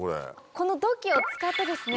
この土器を使ってですね